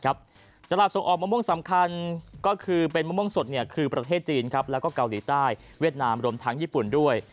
ตลาดส่งออกมะม่วงสำคัญก็คือเป็นมะม่วงสดคือประเทศจีนแล้วก็เกาหลีใต้เวียดนามรวมทั้งญี่ปุ่นด้วย